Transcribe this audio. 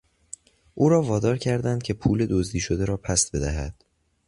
او را وادار کردند که پول دزدی شده را پس بدهد.